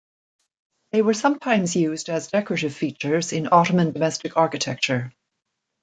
They were sometimes used as decorative features in Ottoman domestic architecture.